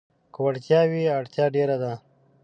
که وړتيا وي، اړتيا ډېره ده.